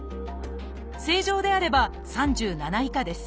正常であれば３７以下です。